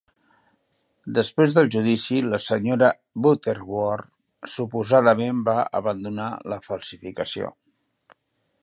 Després del judici, la senyora Butterworth suposadament va abandonar la falsificació.